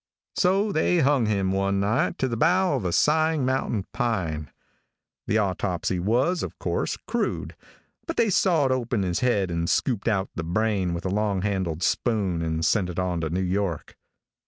"So they hung him one night to the bough of a sighing mountain pine. "The autopsy was, of course, crude; but they sawed open his head and scooped out the brain with a long handled spoon and sent it on to New York.